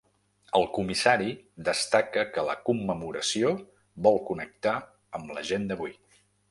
El comissari destaca que la commemoració vol connectar amb la gent d’avui.